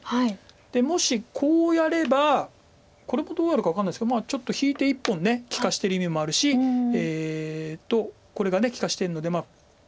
もしこうやればこれもどうやるか分かんないですがちょっと引いて１本利かしてる意味もあるしこれが利かしてるので。